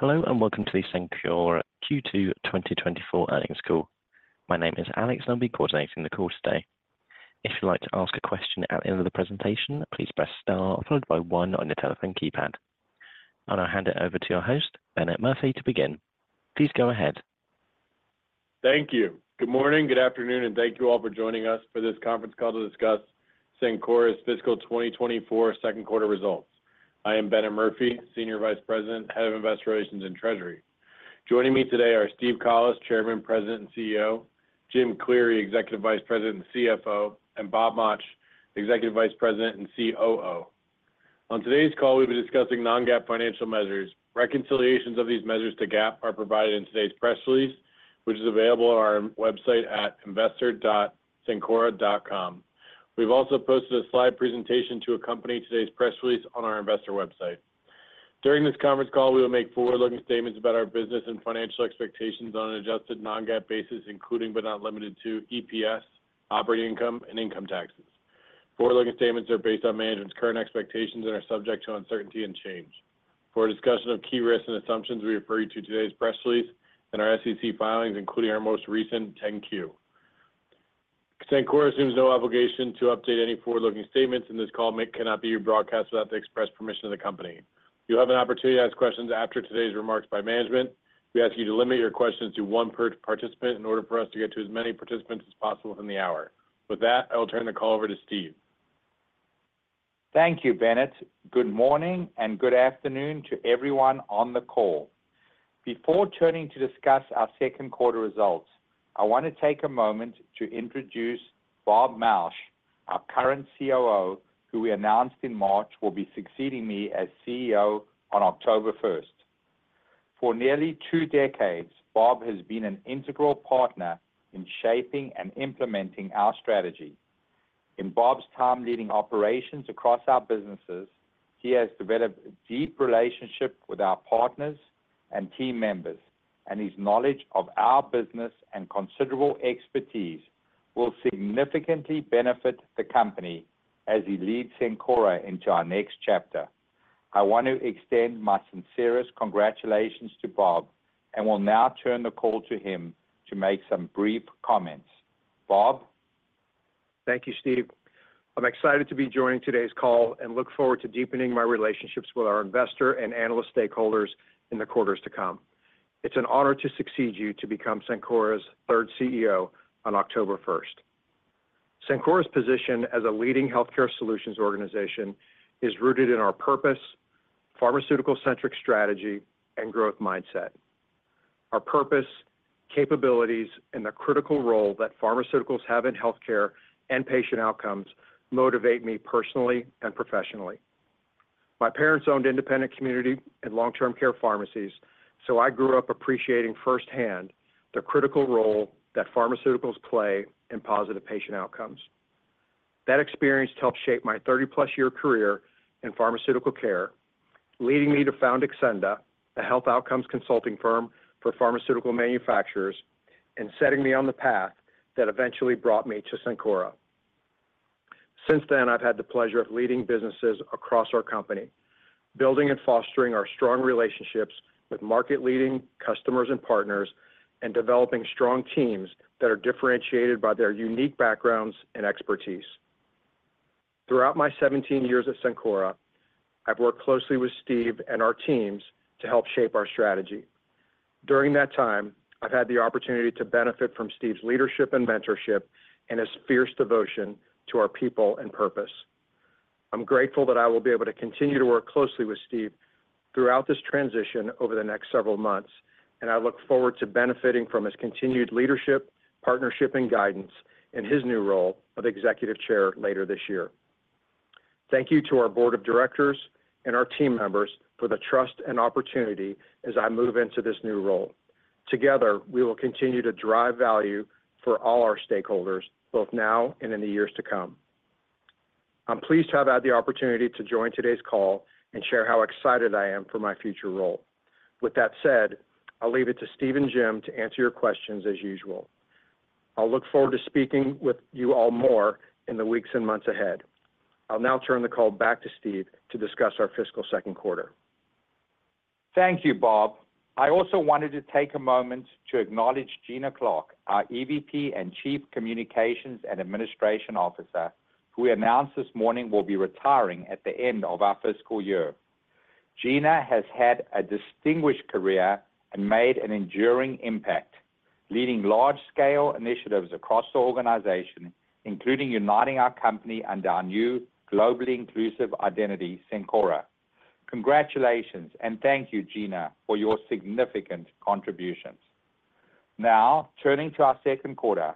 Hello, and welcome to the Cencora Q2 2024 earnings call. My name is Alex, and I'll be coordinating the call today. If you'd like to ask a question at the end of the presentation, please press star followed by one on your telephone keypad. I'll now hand it over to your host, Bennett Murphy, to begin. Please go ahead. Thank you. Good morning, good afternoon, and thank you all for joining us for this conference call to discuss Cencora's fiscal 2024 second quarter results. I am Bennett Murphy, Senior Vice President, Head of Investor Relations and Treasury. Joining me today are Steve Collis, Chairman, President, and CEO; Jim Cleary, Executive Vice President and CFO; and Bob Mauch, Executive Vice President and COO. On today's call, we'll be discussing non-GAAP financial measures. Reconciliations of these measures to GAAP are provided in today's press release, which is available on our website at investor.cencora.com. We've also posted a slide presentation to accompany today's press release on our investor website. During this conference call, we will make forward-looking statements about our business and financial expectations on an adjusted non-GAAP basis, including but not limited to EPS, operating income, and income taxes. Forward-looking statements are based on management's current expectations and are subject to uncertainty and change. For a discussion of key risks and assumptions, we refer you to today's press release and our SEC filings, including our most recent 10-Q. Cencora assumes no obligation to update any forward-looking statements, and this call may not be rebroadcast without the express permission of the company. You'll have an opportunity to ask questions after today's remarks by management. We ask you to limit your questions to one per participant in order for us to get to as many participants as possible within the hour. With that, I will turn the call over to Steve. Thank you, Bennett. Good morning, and good afternoon to everyone on the call. Before turning to discuss our second quarter results, I want to take a moment to introduce Bob Mauch, our current COO, who, we announced in March, will be succeeding me as CEO on October first. For nearly two decades, Bob has been an integral partner in shaping and implementing our strategy. In Bob's time leading operations across our businesses, he has developed a deep relationship with our partners and team members, and his knowledge of our business and considerable expertise will significantly benefit the company as he leads Cencora into our next chapter. I want to extend my sincerest congratulations to Bob, and will now turn the call to him to make some brief comments. Bob? Thank you, Steve. I'm excited to be joining today's call and look forward to deepening my relationships with our investor and analyst stakeholders in the quarters to come. It's an honor to succeed you to become Cencora's third CEO on October first. Cencora's position as a leading healthcare solutions organization is rooted in our purpose, pharmaceutical-centric strategy, and growth mindset. Our purpose, capabilities, and the critical role that pharmaceuticals have in healthcare and patient outcomes motivate me personally and professionally. My parents owned independent community and long-term care pharmacies, so I grew up appreciating firsthand the critical role that pharmaceuticals play in positive patient outcomes. That experience helped shape my 30+ year career in pharmaceutical care, leading me to found Xcenda, a health outcomes consulting firm for pharmaceutical manufacturers, and setting me on the path that eventually brought me to Cencora. Since then, I've had the pleasure of leading businesses across our company, building and fostering our strong relationships with market-leading customers and partners, and developing strong teams that are differentiated by their unique backgrounds and expertise. Throughout my 17 years at Cencora, I've worked closely with Steve and our teams to help shape our strategy. During that time, I've had the opportunity to benefit from Steve's leadership and mentorship and his fierce devotion to our people and purpose. I'm grateful that I will be able to continue to work closely with Steve throughout this transition over the next several months, and I look forward to benefiting from his continued leadership, partnership, and guidance in his new role of executive chair later this year. Thank you to our board of directors and our team members for the trust and opportunity as I move into this new role. Together, we will continue to drive value for all our stakeholders, both now and in the years to come. I'm pleased to have had the opportunity to join today's call and share how excited I am for my future role. With that said, I'll leave it to Steve and Jim to answer your questions as usual. I'll look forward to speaking with you all more in the weeks and months ahead. I'll now turn the call back to Steve to discuss our fiscal second quarter. Thank you, Bob. I also wanted to take a moment to acknowledge Gina Clark, our EVP and Chief Communications and Administration Officer, who we announced this morning will be retiring at the end of our fiscal year. Gina has had a distinguished career and made an enduring impact, leading large-scale initiatives across the organization, including uniting our company under our new globally inclusive identity, Cencora. Congratulations, and thank you, Gina, for your significant contributions. Now, turning to our second quarter.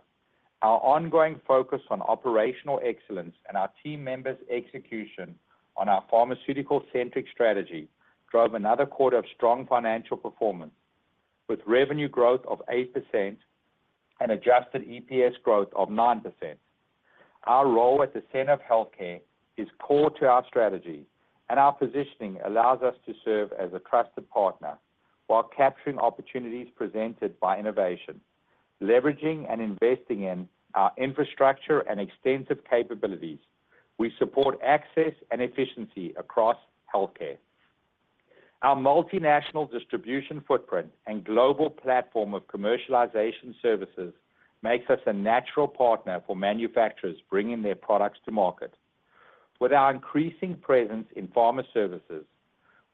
Our ongoing focus on operational excellence and our team members' execution on our pharmaceutical-centric strategy drove another quarter of strong financial performance, with revenue growth of 8% and adjusted EPS growth of 9%. Our role at the center of healthcare is core to our strategy, and our positioning allows us to serve as a trusted partner while capturing opportunities presented by innovation.... Leveraging and investing in our infrastructure and extensive capabilities, we support access and efficiency across healthcare. Our multinational distribution footprint and global platform of commercialization services makes us a natural partner for manufacturers bringing their products to market. With our increasing presence in pharma services,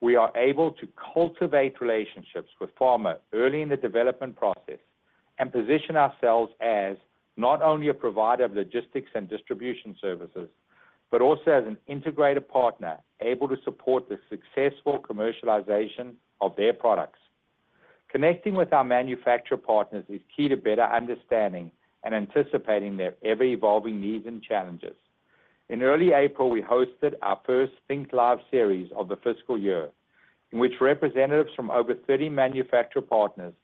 we are able to cultivate relationships with pharma early in the development process, and position ourselves as not only a provider of logistics and distribution services, but also as an integrated partner able to support the successful commercialization of their products. Connecting with our manufacturer partners is key to better understanding and anticipating their ever-evolving needs and challenges. In early April, we hosted our first ThinkLive series of the fiscal year, in which representatives from over 30 manufacturer partners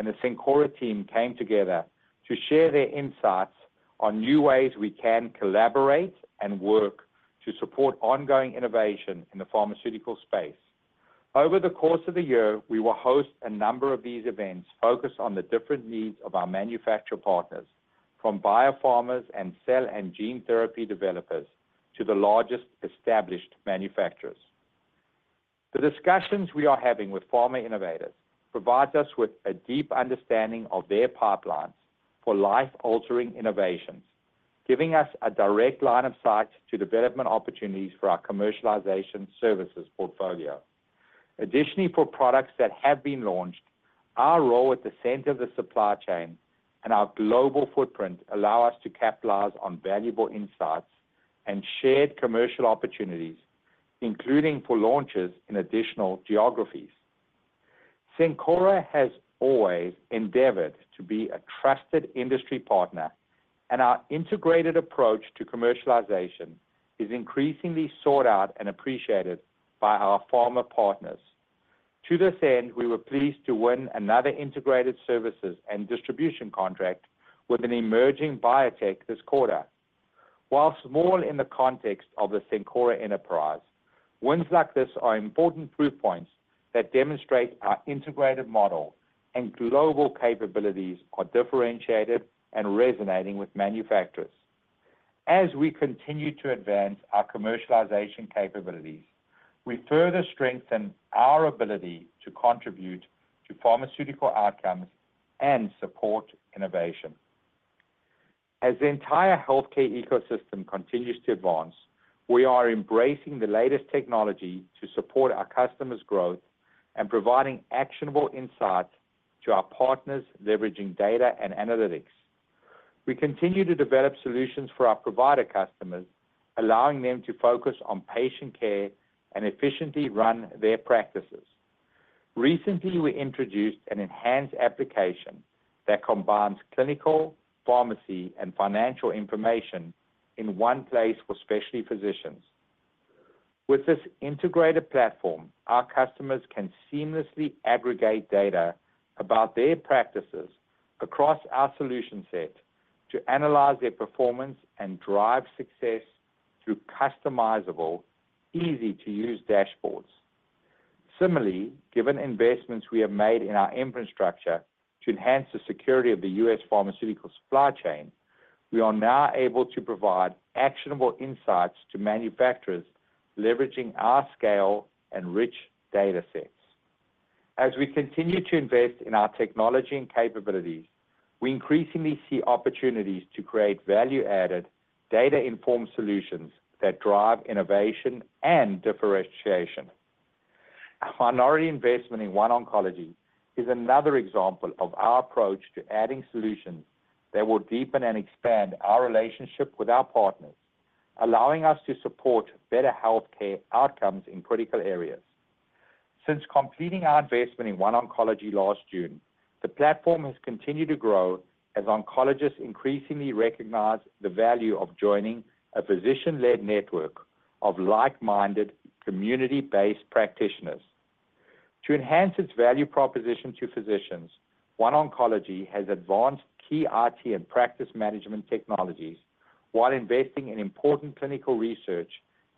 and the Cencora team came together to share their insights on new ways we can collaborate and work to support ongoing innovation in the pharmaceutical space. Over the course of the year, we will host a number of these events focused on the different needs of our manufacturer partners, from biopharmas and cell and gene therapy developers, to the largest established manufacturers. The discussions we are having with pharma innovators provides us with a deep understanding of their pipelines for life-altering innovations, giving us a direct line of sight to development opportunities for our commercialization services portfolio. Additionally, for products that have been launched, our role at the center of the supply chain and our global footprint allow us to capitalize on valuable insights and shared commercial opportunities, including for launches in additional geographies. Cencora has always endeavored to be a trusted industry partner, and our integrated approach to commercialization is increasingly sought out and appreciated by our pharma partners. To this end, we were pleased to win another integrated services and distribution contract with an emerging biotech this quarter. While small in the context of the Cencora enterprise, wins like this are important proof points that demonstrate our integrated model and global capabilities are differentiated and resonating with manufacturers. As we continue to advance our commercialization capabilities, we further strengthen our ability to contribute to pharmaceutical outcomes and support innovation. As the entire healthcare ecosystem continues to advance, we are embracing the latest technology to support our customers' growth and providing actionable insights to our partners, leveraging data and analytics. We continue to develop solutions for our provider customers, allowing them to focus on patient care and efficiently run their practices. Recently, we introduced an enhanced application that combines clinical, pharmacy, and financial information in one place for specialty physicians. With this integrated platform, our customers can seamlessly aggregate data about their practices across our solution set to analyze their performance and drive success through customizable, easy-to-use dashboards. Similarly, given investments we have made in our infrastructure to enhance the security of the U.S. pharmaceutical supply chain, we are now able to provide actionable insights to manufacturers, leveraging our scale and rich data sets. As we continue to invest in our technology and capabilities, we increasingly see opportunities to create value-added, data-informed solutions that drive innovation and differentiation. Our minority investment in OneOncology is another example of our approach to adding solutions that will deepen and expand our relationship with our partners, allowing us to support better healthcare outcomes in critical areas. Since completing our investment in OneOncology last June, the platform has continued to grow as oncologists increasingly recognize the value of joining a physician-led network of like-minded, community-based practitioners. To enhance its value proposition to physicians, OneOncology has advanced key IT and practice management technologies, while investing in important clinical research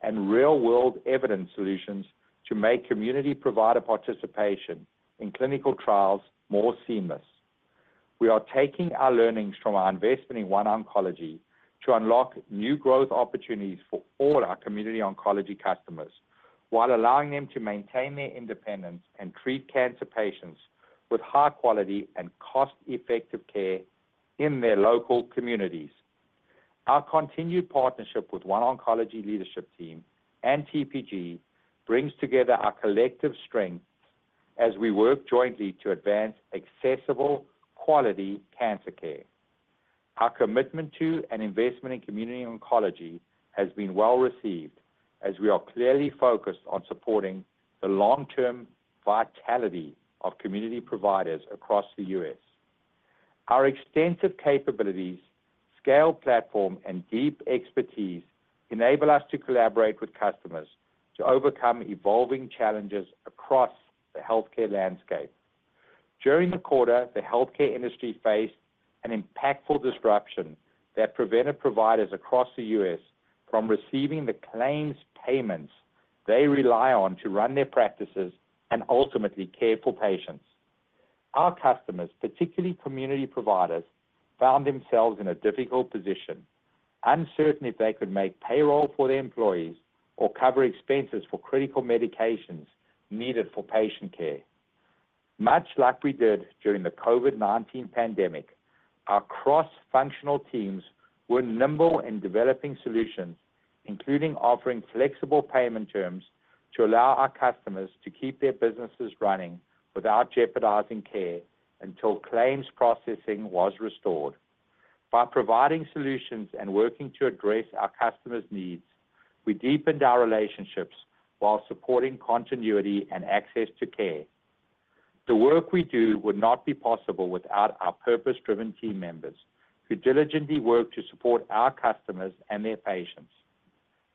and real-world evidence solutions to make community provider participation in clinical trials more seamless. We are taking our learnings from our investment in OneOncology to unlock new growth opportunities for all our community oncology customers, while allowing them to maintain their independence and treat cancer patients with high quality and cost-effective care in their local communities. Our continued partnership with OneOncology leadership team and TPG brings together our collective strengths as we work jointly to advance accessible, quality cancer care. Our commitment to and investment in community oncology has been well received, as we are clearly focused on supporting the long-term vitality of community providers across the U.S. Our extensive capabilities, scale platform, and deep expertise enable us to collaborate with customers to overcome evolving challenges across the healthcare landscape. During the quarter, the healthcare industry faced an impactful disruption that prevented providers across the U.S. from receiving the claims payments-... They rely on to run their practices and ultimately care for patients. Our customers, particularly community providers, found themselves in a difficult position, uncertain if they could make payroll for their employees or cover expenses for critical medications needed for patient care. Much like we did during the COVID-19 pandemic, our cross-functional teams were nimble in developing solutions, including offering flexible payment terms, to allow our customers to keep their businesses running without jeopardizing care until claims processing was restored. By providing solutions and working to address our customers' needs, we deepened our relationships while supporting continuity and access to care. The work we do would not be possible without our purpose-driven team members, who diligently work to support our customers and their patients.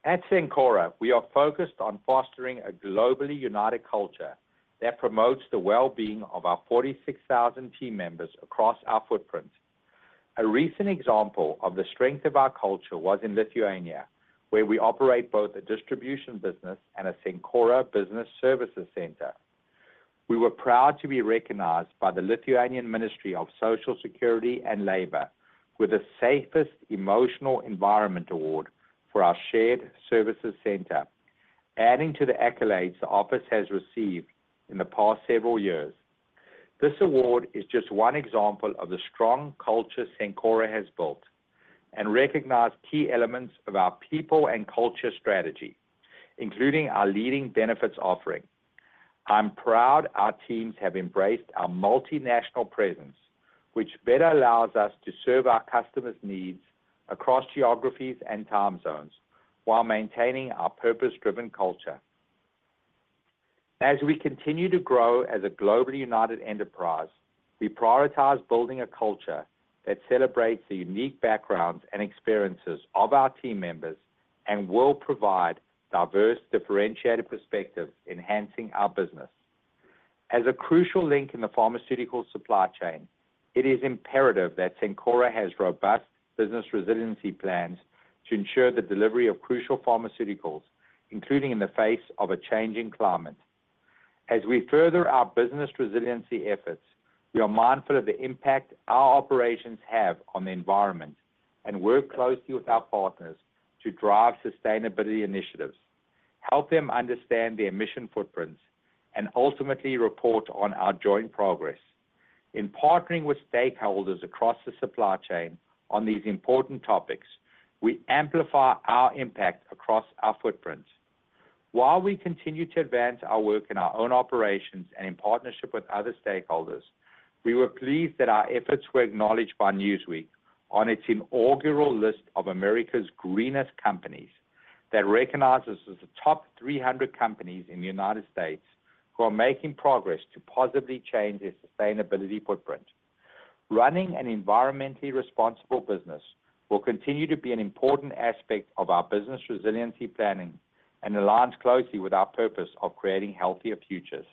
At Cencora, we are focused on fostering a globally united culture that promotes the well-being of our 46,000 team members across our footprint. A recent example of the strength of our culture was in Lithuania, where we operate both a distribution business and a Cencora Business Services center. We were proud to be recognized by the Lithuanian Ministry of Social Security and Labor with the Safest Emotional Environment Award for our shared services center, adding to the accolades the office has received in the past several years. This award is just one example of the strong culture Cencora has built and recognize key elements of our people and culture strategy, including our leading benefits offering. I'm proud our teams have embraced our multinational presence, which better allows us to serve our customers' needs across geographies and time zones, while maintaining our purpose-driven culture. As we continue to grow as a globally united enterprise, we prioritize building a culture that celebrates the unique backgrounds and experiences of our team members, and will provide diverse, differentiated perspectives, enhancing our business. As a crucial link in the pharmaceutical supply chain, it is imperative that Cencora has robust business resiliency plans to ensure the delivery of crucial pharmaceuticals, including in the face of a changing climate. As we further our business resiliency efforts, we are mindful of the impact our operations have on the environment and work closely with our partners to drive sustainability initiatives, help them understand their emission footprints, and ultimately report on our joint progress. In partnering with stakeholders across the supply chain on these important topics, we amplify our impact across our footprint. While we continue to advance our work in our own operations and in partnership with other stakeholders, we were pleased that our efforts were acknowledged by Newsweek on its inaugural list of America's Greenest Companies, that recognizes the top 300 companies in the United States who are making progress to positively change their sustainability footprint. Running an environmentally responsible business will continue to be an important aspect of our business resiliency planning and aligns closely with our purpose of creating healthier futures.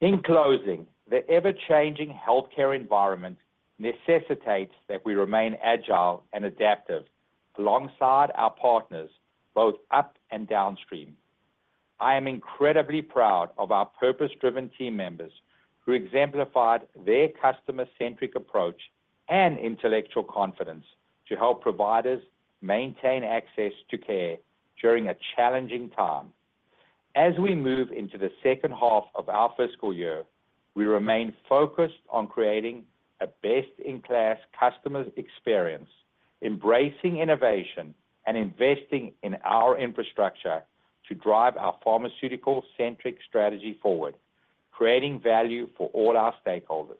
In closing, the ever-changing healthcare environment necessitates that we remain agile and adaptive alongside our partners, both up and downstream. I am incredibly proud of our purpose-driven team members, who exemplified their customer-centric approach and intellectual confidence to help providers maintain access to care during a challenging time. As we move into the second half of our fiscal year, we remain focused on creating a best-in-class customer's experience, embracing innovation, and investing in our infrastructure to drive our pharmaceutical-centric strategy forward, creating value for all our stakeholders.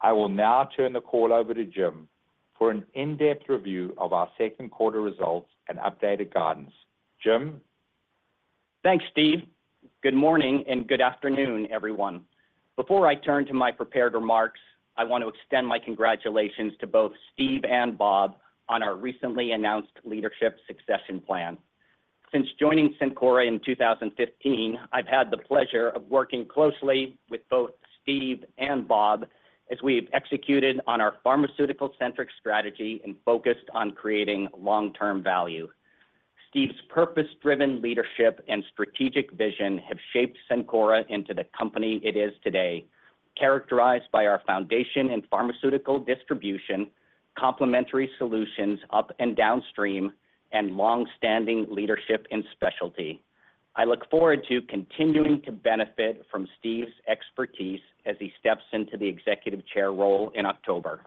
I will now turn the call over to Jim for an in-depth review of our second quarter results and updated guidance. Jim? Thanks, Steve. Good morning and good afternoon, everyone. Before I turn to my prepared remarks, I want to extend my congratulations to both Steve and Bob on our recently announced leadership succession plan. Since joining Cencora in 2015, I've had the pleasure of working closely with both Steve and Bob as we've executed on our pharmaceutical-centric strategy and focused on creating long-term value. Steve's purpose-driven leadership and strategic vision have shaped Cencora into the company it is today, characterized by our foundation in pharmaceutical distribution, complementary solutions up and downstream, and long-standing leadership and specialty. I look forward to continuing to benefit from Steve's expertise as he steps into the Executive Chair role in October.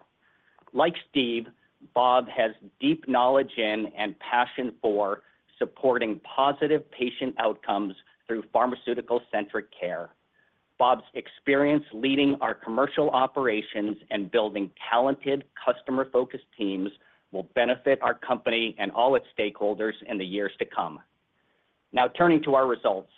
Like Steve, Bob has deep knowledge in, and passion for, supporting positive patient outcomes through pharmaceutical-centric care. Bob's experience leading our commercial operations and building talented, customer-focused teams will benefit our company and all its stakeholders in the years to come. Now, turning to our results.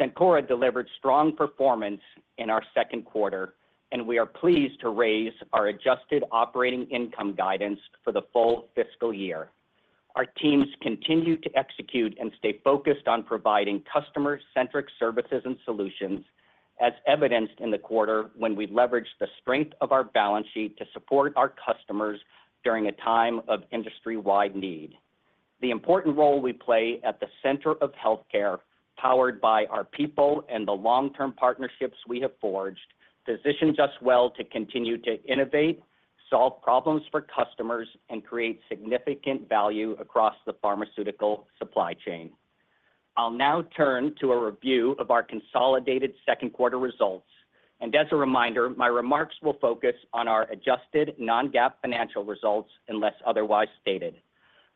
Cencora delivered strong performance in our second quarter, and we are pleased to raise our adjusted operating income guidance for the full fiscal year. Our teams continue to execute and stay focused on providing customer-centric services and solutions.... as evidenced in the quarter when we leveraged the strength of our balance sheet to support our customers during a time of industry-wide need. The important role we play at the center of healthcare, powered by our people and the long-term partnerships we have forged, positions us well to continue to innovate, solve problems for customers, and create significant value across the pharmaceutical supply chain. I'll now turn to a review of our consolidated second quarter results, and as a reminder, my remarks will focus on our adjusted non-GAAP financial results unless otherwise stated.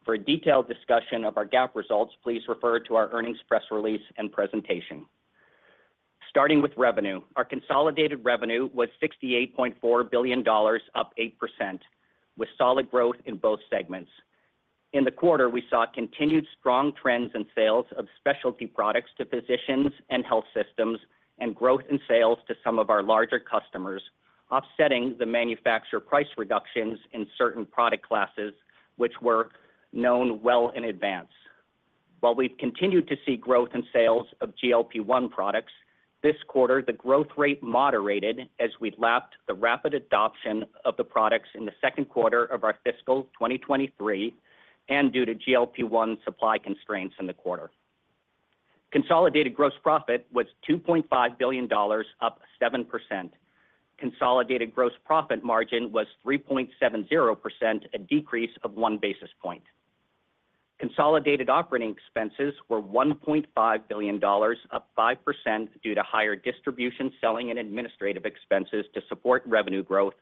For a detailed discussion of our GAAP results, please refer to our earnings press release and presentation. Starting with revenue, our consolidated revenue was $68.4 billion, up 8%, with solid growth in both segments. In the quarter, we saw continued strong trends in sales of specialty products to physicians and health systems, and growth in sales to some of our larger customers, offsetting the manufacturer price reductions in certain product classes which were known well in advance. While we've continued to see growth in sales of GLP-1 products, this quarter, the growth rate moderated as we lapped the rapid adoption of the products in the second quarter of our fiscal 2023, and due to GLP-1 supply constraints in the quarter. Consolidated gross profit was $2.5 billion, up 7%. Consolidated gross profit margin was 3.70%, a decrease of one basis point. Consolidated operating expenses were $1.5 billion, up 5% due to higher distribution, selling, and administrative expenses to support revenue growth,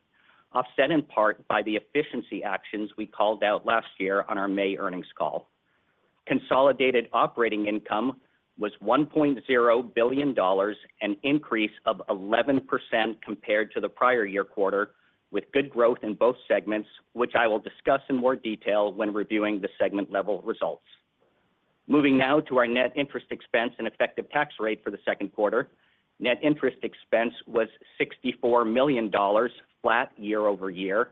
offset in part by the efficiency actions we called out last year on our May earnings call. Consolidated operating income was $1.0 billion, an increase of 11% compared to the prior year quarter, with good growth in both segments, which I will discuss in more detail when reviewing the segment-level results. Moving now to our net interest expense and effective tax rate for the second quarter. Net interest expense was $64 million, flat year-over-year.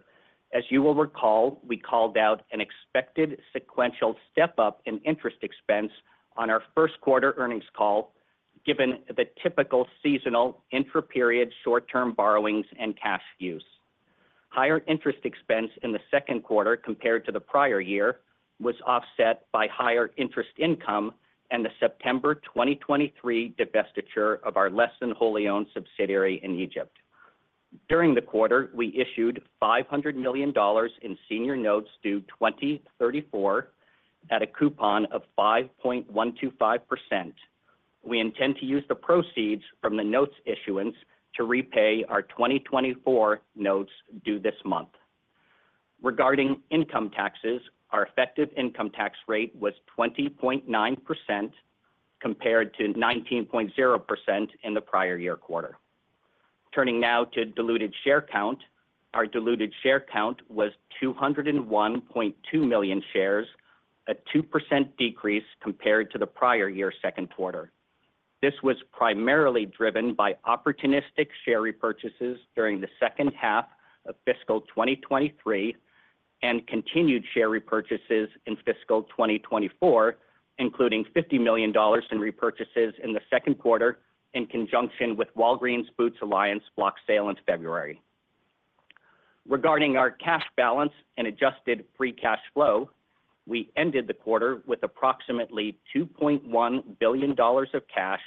As you will recall, we called out an expected sequential step-up in interest expense on our first quarter earnings call, given the typical seasonal intra-period short-term borrowings and cash use. Higher interest expense in the second quarter compared to the prior year was offset by higher interest income and the September 2023 divestiture of our less than wholly owned subsidiary in Egypt. During the quarter, we issued $500 million in senior notes due 2034 at a coupon of 5.125%. We intend to use the proceeds from the notes issuance to repay our 2024 notes due this month. Regarding income taxes, our effective income tax rate was 20.9% compared to 19.0% in the prior year quarter. Turning now to diluted share count. Our diluted share count was 201.2 million shares, a 2% decrease compared to the prior year's second quarter. This was primarily driven by opportunistic share repurchases during the second half of fiscal 2023, and continued share repurchases in fiscal 2024, including $50 million in repurchases in the second quarter in conjunction with Walgreens Boots Alliance block sale in February. Regarding our cash balance and adjusted free cash flow, we ended the quarter with approximately $2.1 billion of cash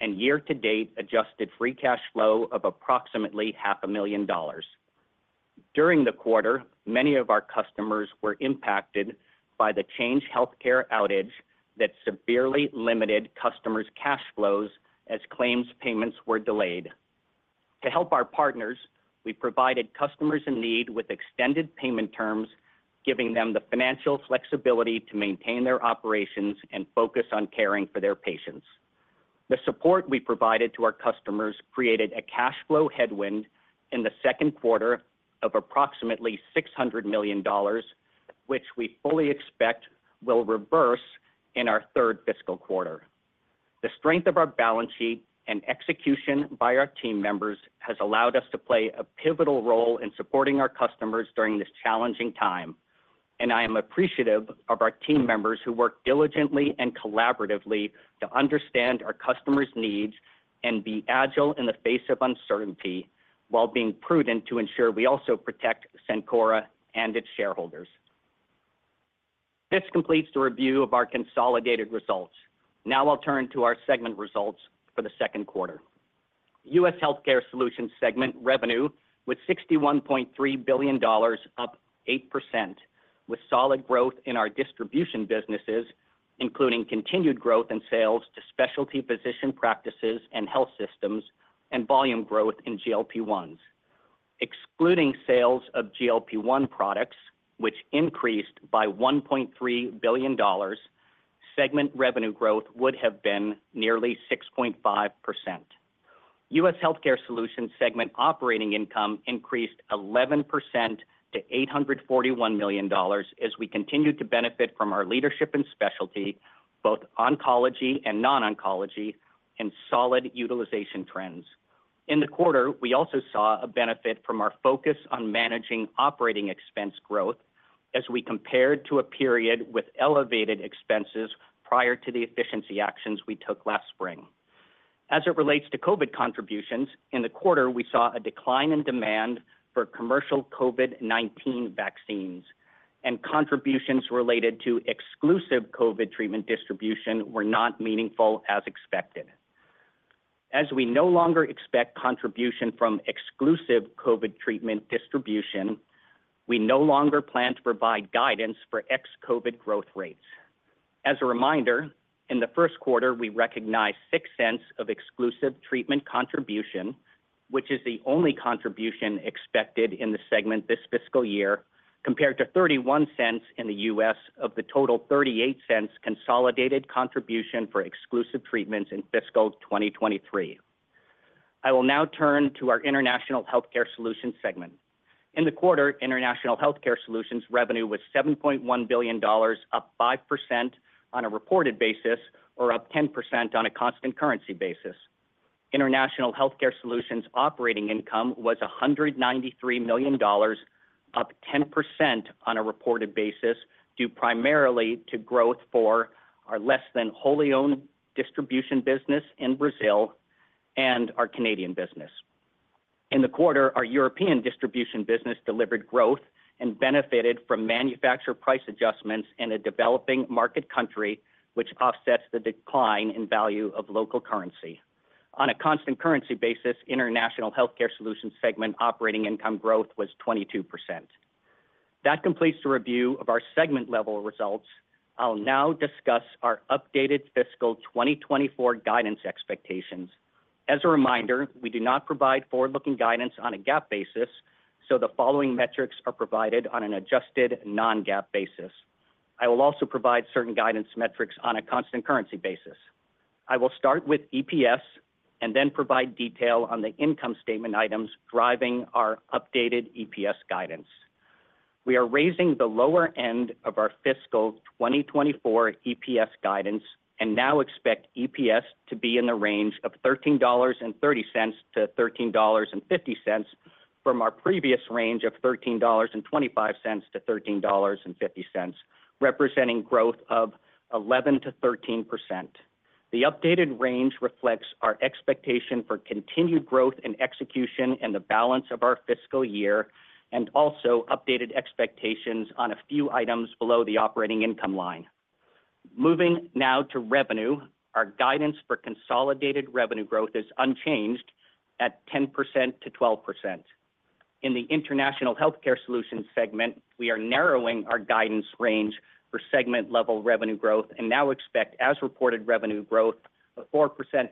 and year-to-date adjusted free cash flow of approximately $500,000. During the quarter, many of our customers were impacted by the Change Healthcare outage that severely limited customers' cash flows as claims payments were delayed. To help our partners, we provided customers in need with extended payment terms, giving them the financial flexibility to maintain their operations and focus on caring for their patients. The support we provided to our customers created a cash flow headwind in the second quarter of approximately $600 million, which we fully expect will reverse in our third fiscal quarter. The strength of our balance sheet and execution by our team members has allowed us to play a pivotal role in supporting our customers during this challenging time, and I am appreciative of our team members who work diligently and collaboratively to understand our customers' needs and be agile in the face of uncertainty while being prudent to ensure we also protect Cencora and its shareholders. This completes the review of our consolidated results. Now I'll turn to our segment results for the second quarter. US Healthcare Solutions segment revenue with $61.3 billion, up 8%, with solid growth in our distribution businesses, including continued growth in sales to specialty physician practices and health systems, and volume growth in GLP-1s. Excluding sales of GLP-1 products, which increased by $1.3 billion, segment revenue growth would have been nearly 6.5%. U.S. Healthcare Solutions segment operating income increased 11% to $841 million as we continued to benefit from our leadership and specialty, both oncology and non-oncology, and solid utilization trends.... In the quarter, we also saw a benefit from our focus on managing operating expense growth as we compared to a period with elevated expenses prior to the efficiency actions we took last spring. As it relates to COVID contributions, in the quarter, we saw a decline in demand for commercial COVID-19 vaccines, and contributions related to exclusive COVID treatment distribution were not meaningful as expected. As we no longer expect contribution from exclusive COVID treatment distribution, we no longer plan to provide guidance for ex-COVID growth rates. As a reminder, in the first quarter, we recognized $0.06 of exclusive treatment contribution, which is the only contribution expected in the segment this fiscal year, compared to $0.31 in the U.S. of the total $0.38 consolidated contribution for exclusive treatments in fiscal 2023. I will now turn to our International Healthcare Solutions segment. In the quarter, International Healthcare Solutions revenue was $7.1 billion, up 5% on a reported basis, or up 10% on a constant currency basis. International Healthcare Solutions operating income was $193 million, up 10% on a reported basis, due primarily to growth for our less than wholly owned distribution business in Brazil and our Canadian business. In the quarter, our European distribution business delivered growth and benefited from manufacturer price adjustments in a developing market country, which offsets the decline in value of local currency. On a constant currency basis, International Healthcare Solutions segment operating income growth was 22%. That completes the review of our segment-level results. I'll now discuss our updated fiscal 2024 guidance expectations. As a reminder, we do not provide forward-looking guidance on a GAAP basis, so the following metrics are provided on an adjusted, non-GAAP basis. I will also provide certain guidance metrics on a constant currency basis. I will start with EPS and then provide detail on the income statement items driving our updated EPS guidance. We are raising the lower end of our fiscal 2024 EPS guidance and now expect EPS to be in the range of $13.30-$13.50 from our previous range of $13.25-$13.50, representing growth of 11%-13%. The updated range reflects our expectation for continued growth and execution in the balance of our fiscal year, and also updated expectations on a few items below the operating income line. Moving now to revenue, our guidance for consolidated revenue growth is unchanged at 10%-12%. In the International Healthcare Solutions segment, we are narrowing our guidance range for segment-level revenue growth and now expect as reported revenue growth of 4%-7%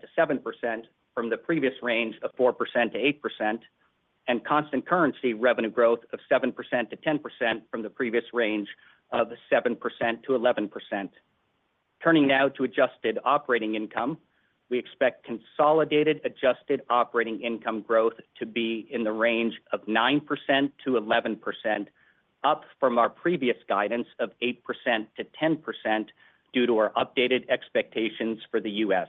from the previous range of 4%-8%, and constant currency revenue growth of 7%-10% from the previous range of 7%-11%. Turning now to adjusted operating income, we expect consolidated adjusted operating income growth to be in the range of 9%-11%, up from our previous guidance of 8%-10% due to our updated expectations for the U.S.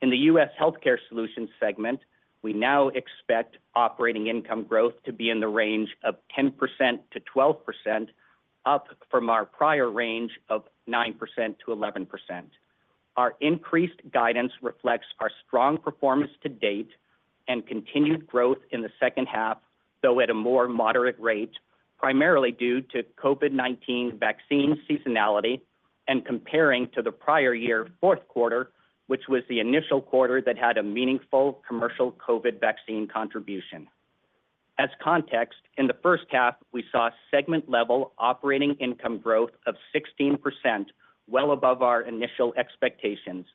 In the U.S. Healthcare Solutions segment, we now expect operating income growth to be in the range of 10%-12%, up from our prior range of 9%-11%. Our increased guidance reflects our strong performance to date and continued growth in the second half, though at a more moderate rate, primarily due to COVID-19 vaccine seasonality and comparing to the prior year fourth quarter, which was the initial quarter that had a meaningful commercial COVID vaccine contribution. As context, in the first half, we saw segment-level operating income growth of 16%, well above our initial expectations.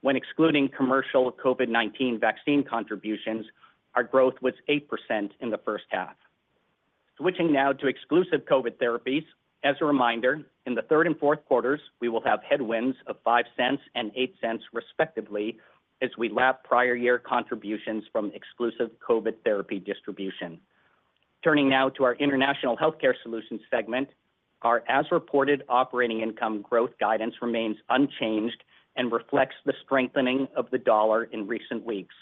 When excluding commercial COVID-19 vaccine contributions, our growth was 8% in the first half. Switching now to exclusive COVID therapies. As a reminder, in the third and fourth quarters, we will have headwinds of $0.05 and $0.08, respectively, as we lap prior year contributions from exclusive COVID therapy distribution. Turning now to our International Healthcare Solutions segment, our as-reported operating income growth guidance remains unchanged and reflects the strengthening of the dollar in recent weeks.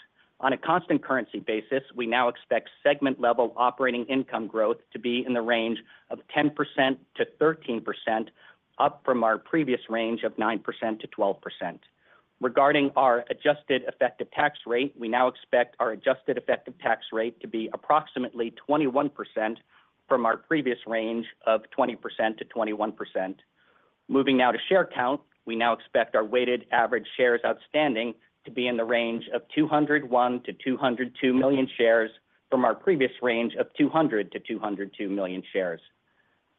On a constant currency basis, we now expect segment-level operating income growth to be in the range of 10%-13%, up from our previous range of 9%-12%. Regarding our adjusted effective tax rate, we now expect our adjusted effective tax rate to be approximately 21% from our previous range of 20%-21%. Moving now to share count. We now expect our weighted average shares outstanding to be in the range of 201-202 million shares from our previous range of 200-202 million shares.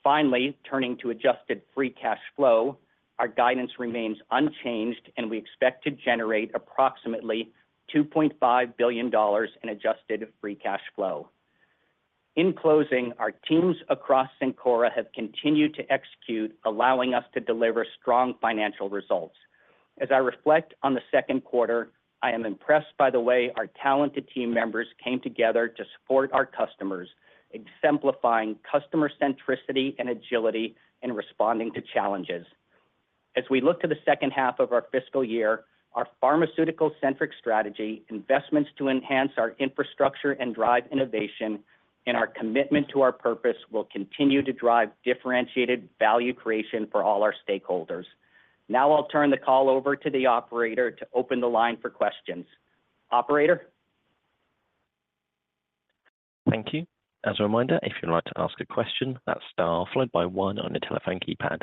Finally, turning to adjusted free cash flow, our guidance remains unchanged, and we expect to generate approximately $2.5 billion in adjusted free cash flow. In closing, our teams across Cencora have continued to execute, allowing us to deliver strong financial results. As I reflect on the second quarter, I am impressed by the way our talented team members came together to support our customers, exemplifying customer centricity and agility in responding to challenges. As we look to the second half of our fiscal year, our pharmaceutical-centric strategy, investments to enhance our infrastructure and drive innovation, and our commitment to our purpose will continue to drive differentiated value creation for all our stakeholders. Now, I'll turn the call over to the operator to open the line for questions. Operator? Thank you. As a reminder, if you'd like to ask a question, that's star followed by one on your telephone keypad.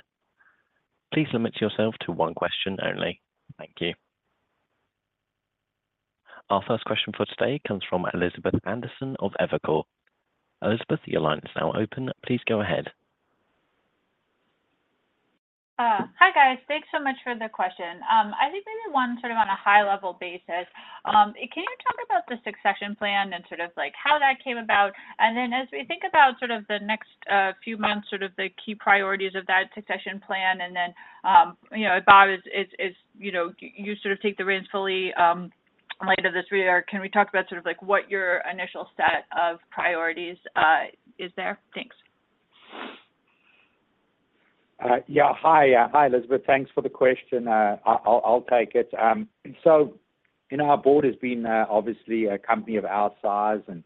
Please limit yourself to one question only. Thank you. Our first question for today comes from Elizabeth Anderson of Evercore. Elizabeth, your line is now open. Please go ahead. Hi, guys. Thanks so much for the question. I think maybe one sort of on a high-level basis. Can you talk about the succession plan and sort of like, how that came about? And then as we think about sort of the next few months, sort of the key priorities of that succession plan, and then, you know, Bob, as you know, you sort of take the reins fully, in light of this reorg, can we talk about sort of like what your initial set of priorities is there? Thanks. Yeah. Hi, hi, Elizabeth. Thanks for the question. I'll, I'll take it. So you know, our board has been obviously a company of our size, and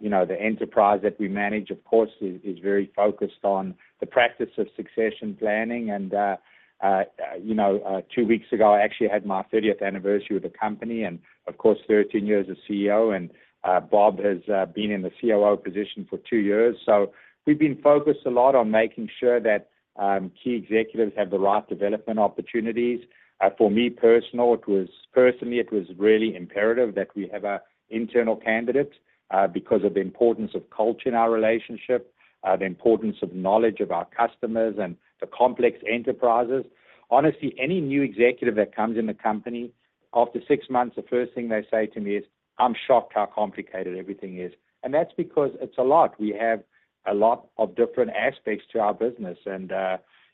you know, the enterprise that we manage, of course, is very focused on the practice of succession planning. Two weeks ago, I actually had my 30th anniversary with the company and, of course, 13 years as CEO, and Bob has been in the COO position for 2 years. So we've been focused a lot on making sure that key executives have the right development opportunities. For me, personally, it was really imperative that we have an internal candidate because of the importance of culture in our relationship, the importance of knowledge of our customers and the complex enterprises. Honestly, any new executive that comes in the company, after six months, the first thing they say to me is, "I'm shocked how complicated everything is." And that's because it's a lot. We have a lot of different aspects to our business, and,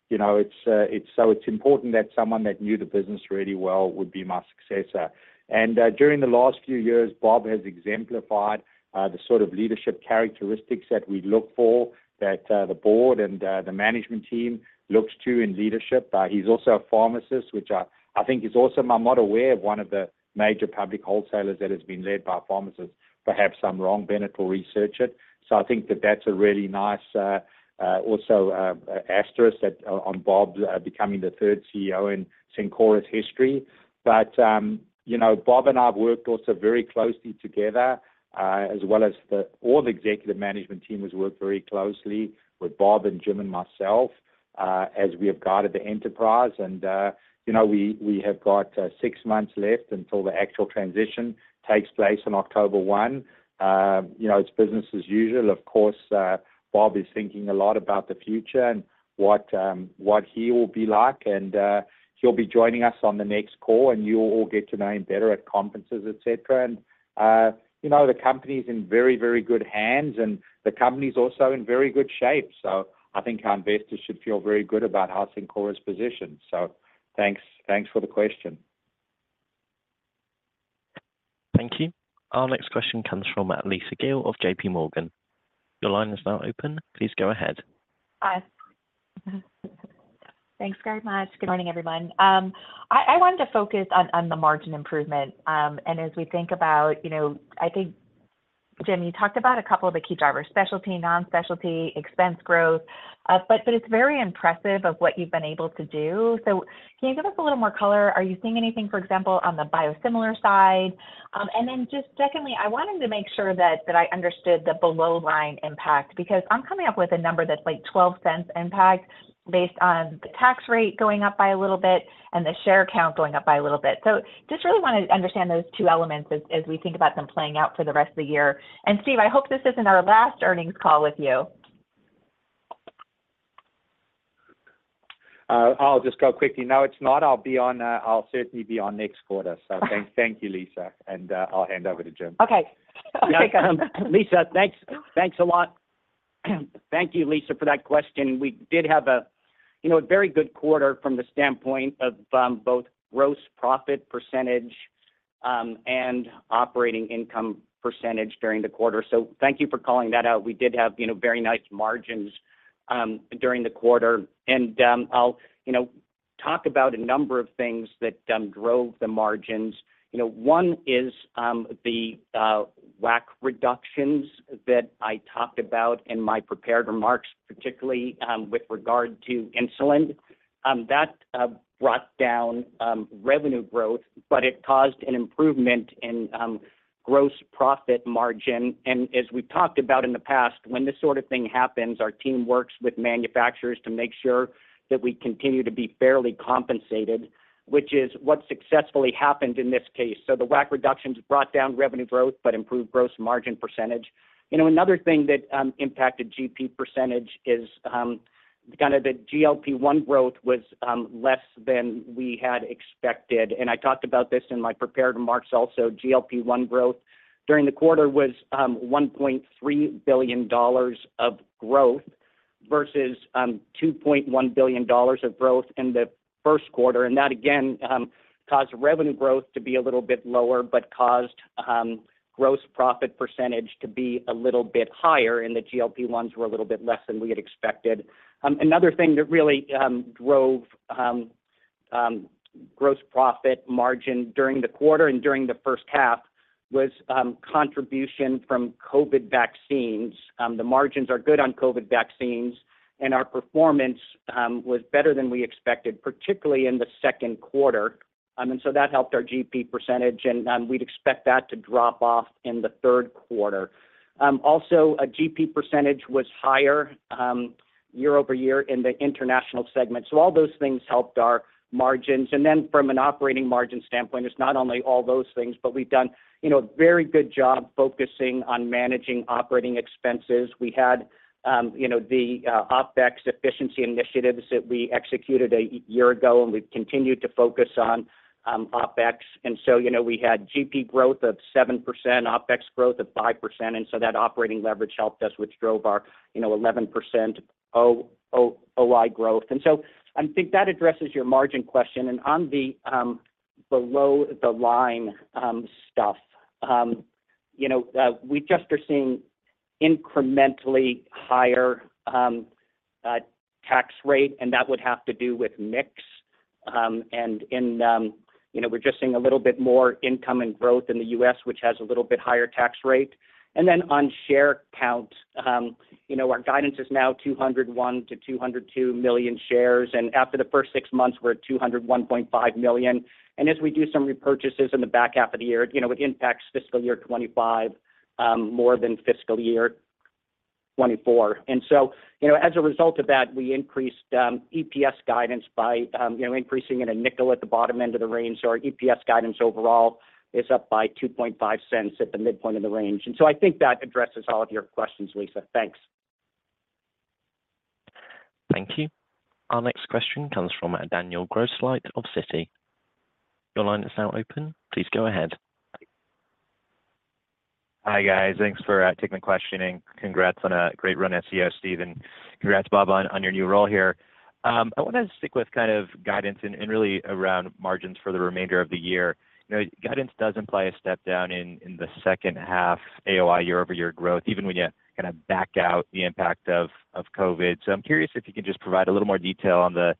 you know, it's so it's important that someone that knew the business really well would be my successor. And, during the last few years, Bob has exemplified, the sort of leadership characteristics that we look for, that, the board and, the management team looks to in leadership. He's also a pharmacist, which I, I think, is also... I'm not aware of one of the major public wholesalers that has been led by pharmacists. Perhaps I'm wrong, Bennett will research it. So I think that that's a really nice, also, asterisk that, on Bob's becoming the third CEO in Cencora's history. But, you know, Bob and I have worked also very closely together, as well as all the executive management team has worked very closely with Bob and Jim and myself, as we have guided the enterprise. And, you know, we have got, six months left until the actual transition takes place on October 1. You know, it's business as usual. Of course, Bob is thinking a lot about the future and what, what he will be like, and, he'll be joining us on the next call, and you will all get to know him better at conferences, et cetera. You know, the company is in very, very good hands, and the company is also in very good shape. I think our investors should feel very good about how Cencora is positioned. Thanks, thanks for the question. Thank you. Our next question comes from Lisa Gill of J.P. Morgan. Your line is now open. Please go ahead. Hi. Thanks very much. Good morning, everyone. I wanted to focus on the margin improvement. And as we think about, you know, I think, Jim, you talked about a couple of the key drivers: specialty, non-specialty, expense growth. But it's very impressive of what you've been able to do. So can you give us a little more color? Are you seeing anything, for example, on the biosimilar side? And then just secondly, I wanted to make sure that I understood the below-line impact, because I'm coming up with a number that's like $0.12 impact based on the tax rate going up by a little bit and the share count going up by a little bit. So just really wanted to understand those two elements as we think about them playing out for the rest of the year. Steve, I hope this isn't our last earnings call with you. I'll just go quickly. No, it's not. I'll be on. I'll certainly be on next quarter. So thank you, Lisa, and I'll hand over to Jim. Okay. Lisa, thanks, thanks a lot. Thank you, Lisa, for that question. We did have you know a very good quarter from the standpoint of both gross profit percentage and operating income percentage during the quarter. So thank you for calling that out. We did have you know very nice margins during the quarter. I'll you know talk about a number of things that drove the margins. You know one is the WAC reductions that I talked about in my prepared remarks, particularly with regard to insulin. That brought down revenue growth, but it caused an improvement in gross profit margin. And as we've talked about in the past, when this sort of thing happens, our team works with manufacturers to make sure that we continue to be fairly compensated, which is what successfully happened in this case. So the WAC reductions brought down revenue growth, but improved gross margin percentage. You know, another thing that impacted GP percentage is kind of the GLP-1 growth was less than we had expected, and I talked about this in my prepared remarks also. GLP-1 growth during the quarter was $1.3 billion of growth versus $2.1 billion of growth in the first quarter. And that, again, caused revenue growth to be a little bit lower, but caused gross profit percentage to be a little bit higher, and the GLP-1s were a little bit less than we had expected. Another thing that really drove gross profit margin during the quarter and during the first half was contribution from COVID vaccines. The margins are good on COVID vaccines, and our performance was better than we expected, particularly in the second quarter. And so that helped our GP percentage, and we'd expect that to drop off in the third quarter. Also, a GP percentage was higher year-over-year in the international segment. So all those things helped our margins. And then from an operating margin standpoint, it's not only all those things, but we've done, you know, a very good job focusing on managing operating expenses. We had, you know, the OpEx efficiency initiatives that we executed a year ago, and we've continued to focus on OpEx. And so, you know, we had GP growth of 7%, OpEx growth of 5%, and so that operating leverage helped us, which drove our, you know, 11% OI growth. And so I think that addresses your margin question. And on the below the line stuff, you know, we just are seeing incrementally higher tax rate, and that would have to do with mix. And in, you know, we're just seeing a little bit more income and growth in the U.S., which has a little bit higher tax rate. And then on share count, you know, our guidance is now 201-202 million shares, and after the first six months, we're at 201.5 million. As we do some repurchases in the back half of the year, you know, it impacts fiscal year 2025 more than fiscal year 2024. So, you know, as a result of that, we increased EPS guidance by, you know, increasing it a nickel at the bottom end of the range. Our EPS guidance overall is up by $0.025 cents at the midpoint of the range. I think that addresses all of your questions, Lisa. Thanks. Thank you. Our next question comes from Daniel Grosslight of Citi. Your line is now open. Please go ahead. Hi, guys. Thanks for taking the questioning. Congrats on a great run at CEO, Steve, and congrats, Bob, on your new role here. I wanted to stick with kind of guidance and really around margins for the remainder of the year. You know, guidance does imply a step down in the second half AOY year-over-year growth, even when you kind of back out the impact of COVID. So I'm curious if you can just provide a little more detail on the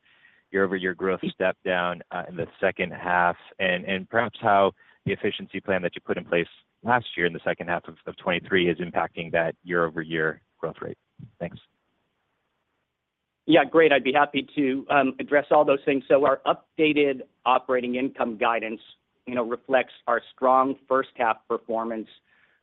year-over-year growth step down in the second half, and perhaps how the efficiency plan that you put in place last year in the second half of 2023 is impacting that year-over-year growth rate. Thanks. Yeah, great. I'd be happy to address all those things. So our updated operating income guidance, you know, reflects our strong first half performance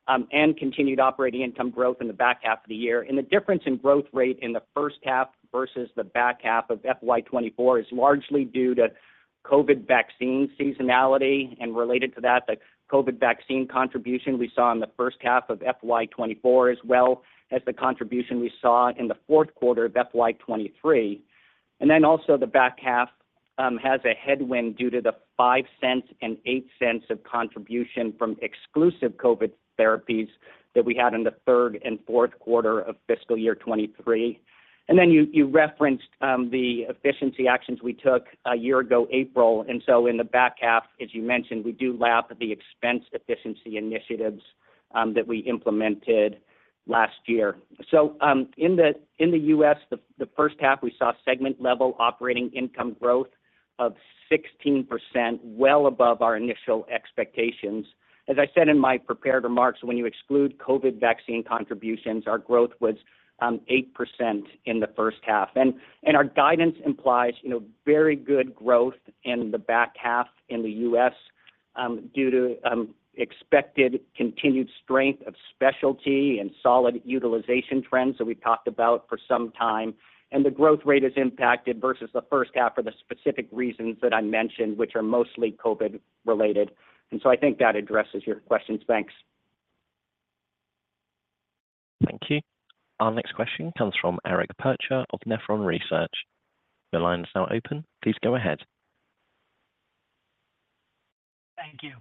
and continued operating income growth in the back half of the year. And the difference in growth rate in the first half versus the back half of FY 2024 is largely due to COVID vaccine seasonality, and related to that, the COVID vaccine contribution we saw in the first half of FY 2024, as well as the contribution we saw in the fourth quarter of FY 2023. And then also the back half has a headwind due to the $0.05 and $0.08 of contribution from exclusive COVID therapies that we had in the third and fourth quarter of fiscal year 2023. And then you referenced the efficiency actions we took a year ago, April, and so in the back half, as you mentioned, we do lap the expense efficiency initiatives that we implemented last year. So, in the U.S., the first half, we saw segment-level operating income growth of 16%, well above our initial expectations. As I said in my prepared remarks, when you exclude COVID vaccine contributions, our growth was 8% in the first half. And our guidance implies, you know, very good growth in the back half in the U.S., due to expected continued strength of specialty and solid utilization trends that we've talked about for some time. And the growth rate is impacted versus the first half for the specific reasons that I mentioned, which are mostly COVID related. And so I think that addresses your questions. Thanks. Thank you. Our next question comes from Eric Percher of Nephron Research. Your line is now open. Please go ahead. Thank you.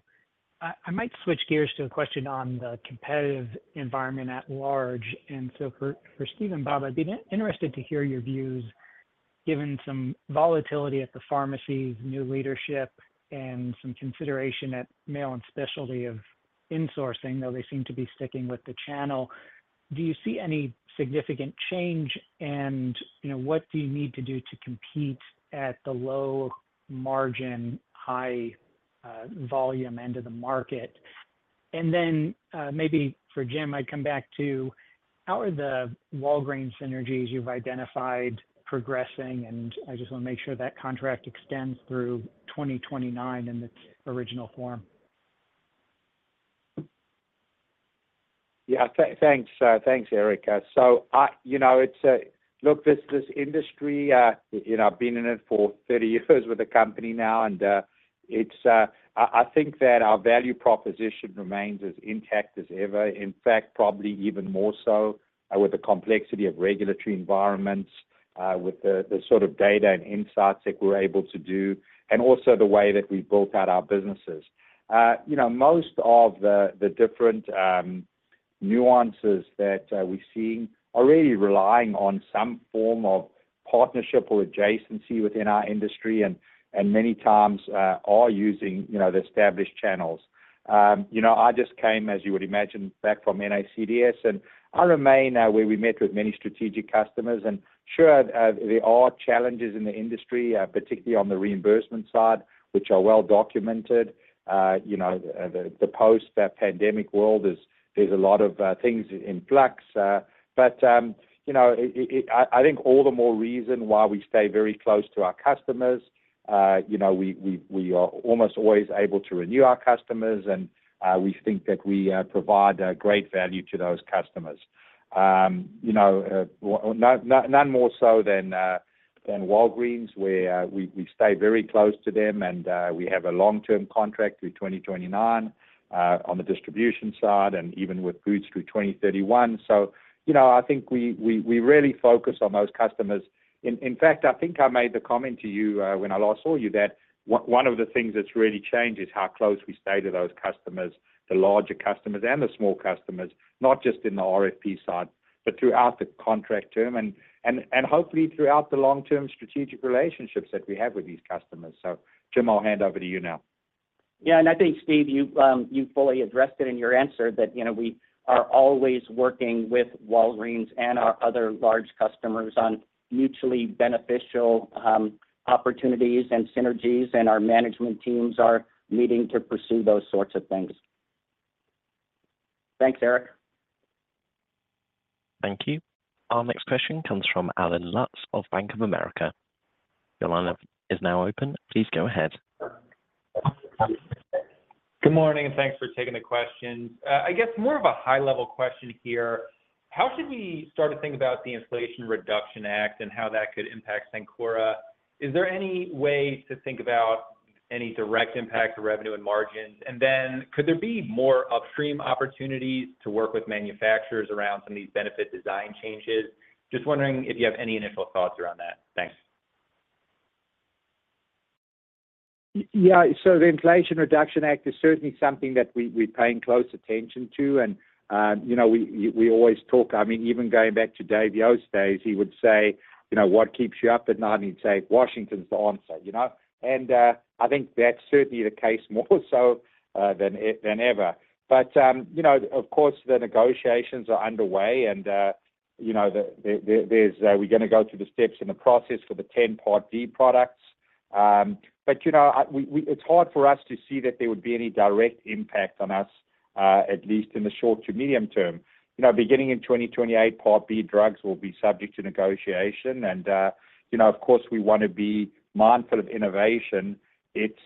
I might switch gears to a question on the competitive environment at large. So for Steve and Bob, I'd be interested to hear your views, given some volatility at the pharmacy's new leadership and some consideration at mail and specialty of insourcing, though they seem to be sticking with the channel. Do you see any significant change? And you know, what do you need to do to compete at the low margin, high volume end of the market? And then maybe for Jim, I'd come back to how are the Walgreens synergies you've identified progressing? And I just want to make sure that contract extends through 2029 in its original form. Yeah, thanks, Eric. So, you know, it's... Look, this industry—you know, I've been in it for 30 years with the company now, and it's—I think that our value proposition remains as intact as ever. In fact, probably even more so with the complexity of regulatory environments, with the sort of data and insights that we're able to do, and also the way that we've built out our businesses. You know, most of the different nuances that we're seeing are really relying on some form of partnership or adjacency within our industry, and many times are using the established channels. You know, I just came, as you would imagine, back from NACDS, and I remain where we met with many strategic customers. Sure, there are challenges in the industry, particularly on the reimbursement side, which are well documented. You know, the post-pandemic world is, there's a lot of things in flux. But, you know, I think all the more reason why we stay very close to our customers. You know, we are almost always able to renew our customers, and we think that we provide great value to those customers. You know, none more so than Walgreens, where we stay very close to them, and we have a long-term contract through 2029 on the distribution side, and even with Boots through 2031. So, you know, I think we really focus on those customers. In fact, I think I made the comment to you, when I last saw you, that one of the things that's really changed is how close we stay to those customers, the larger customers and the small customers, not just in the RFP side, but throughout the contract term and hopefully throughout the long-term strategic relationships that we have with these customers. So, Jim, I'll hand over to you now. Yeah, and I think, Steve, you fully addressed it in your answer, that, you know, we are always working with Walgreens and our other large customers on mutually beneficial opportunities and synergies, and our management teams are meeting to pursue those sorts of things. Thanks, Eric. Thank you. Our next question comes from Allen Lutz of Bank of America. Your line is now open. Please go ahead. Good morning, and thanks for taking the question. I guess more of a high-level question here: How should we start to think about the Inflation Reduction Act and how that could impact Cencora? Is there any way to think about any direct impact to revenue and margins? And then could there be more upstream opportunities to work with manufacturers around some of these benefit design changes? Just wondering if you have any initial thoughts around that. Thanks. Yeah, so the Inflation Reduction Act is certainly something that we're paying close attention to, and, you know, we always talk... I mean, even going back to Dave Yost's days, he would say, "You know, what keeps you up at night?" And he'd say, "Washington's the answer," you know? And, I think that's certainly the case more so than ever. But, you know, of course, the negotiations are underway, and, you know, there's we're gonna go through the steps in the process for the 10 Part D products. But, you know, we, it's hard for us to see that there would be any direct impact on us, at least in the short to medium term. You know, beginning in 2028, Part B drugs will be subject to negotiation, and you know, of course, we want to be mindful of innovation. It's